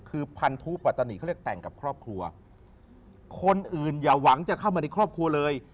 คือพันธุปัตตานีเขาเรียกแต่งกับครอบครัวคนอื่นอย่าหวังจะเข้ามาในครอบครัวเลย